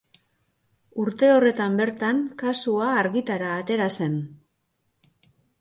Urte horretan bertan kasua argitara atera zen.